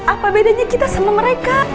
apa bedanya kita sama mereka